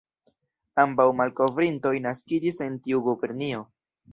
Ambaŭ malkovrintoj naskiĝis en tiu gubernio.